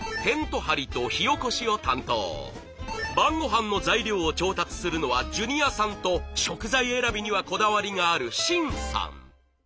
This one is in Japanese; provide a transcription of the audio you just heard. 晩ごはんの材料を調達するのはジュニアさんと食材選びにはこだわりがある愼さん。